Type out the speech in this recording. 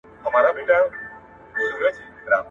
د ارغنداب سیند پرته کندهار بېروحه ښکاري.